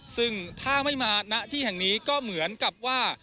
ซึ่งถ้าไม่มาณที่แห่งนี้ก็เหมือนกับว่า